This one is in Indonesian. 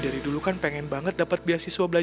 aduh aduh aduh